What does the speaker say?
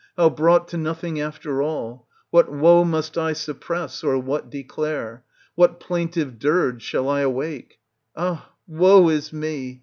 how brought to nothing after all 1 What woe must I suppress, or what declare? What plaintive dirge shall I awake ? Ah, woe is me